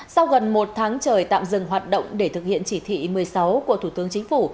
sau gần một tháng trời tạm dừng hoạt động để thực hiện chỉ thị một mươi sáu của thủ tướng chính phủ